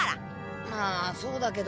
はあそうだけど。